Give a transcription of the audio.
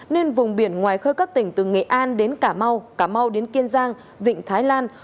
nên vùng biển ngoài khơi các tỉnh từ nghệ an đến cà mau cà mau đến kiên giang vịnh thái lan